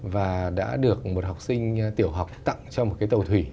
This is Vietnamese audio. và đã được một học sinh tiểu học tặng cho một cái tàu thủy